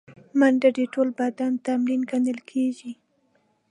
منډه د ټول بدن تمرین ګڼل کېږي